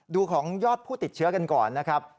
ดูของยอดผู้ติดเชื้อกันก่อนนะครับ